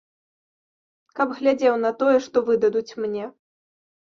Каб глядзеў на тое, што выдадуць мне!